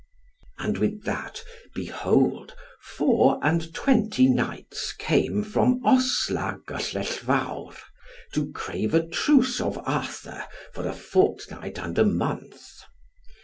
And with that behold four and twenty knights came from Osla Gyllellvawr, to crave a truce of Arthur for a fortnight and a month.